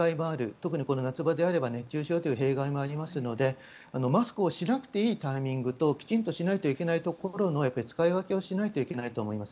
特にこの夏場であれば熱中症という弊害もありますのでマスクをしなくていいタイミングときちんとしないといけないところの使い分けをしないといけないと思います。